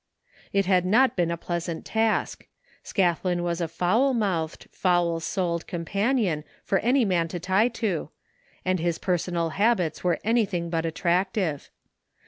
It had not been a pleasant task. Scathlin was a foul mouthed, foul souled companion for any man to tie to, and his personal habits were anything but attrac tive.